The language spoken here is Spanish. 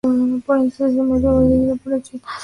Poco antes de su muerte, fue elegido para el Senado italiano.